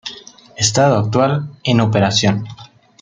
Estado actual: en operación.